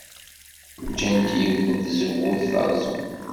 Ǧǧan yiwet n tzewwut terẓem.